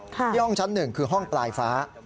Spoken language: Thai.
ที่ห้องชั้น๑คือห้องปลายฟ้า